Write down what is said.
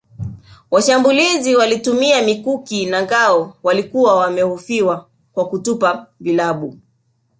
Washambulizi walitumia mikuki na ngao walikuwa wamehofiwa kwa kutupa vilabu